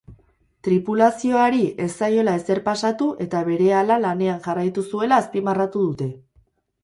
Tripulazioari ez zaiola ezer pasatu eta berehala lanean jarraitu zuela azpimarratu dute.